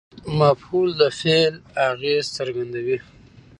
مفعول د فعل اغېز څرګندوي.